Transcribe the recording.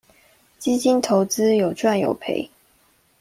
基金投資有賺有賠